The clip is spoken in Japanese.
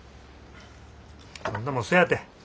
今度もそやて。